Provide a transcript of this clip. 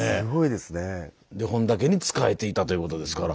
で本多家に仕えていたということですから。